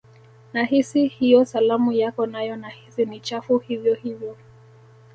Nahisi hiyo salamu yako nayo nahisi ni chafu hivyo hivyo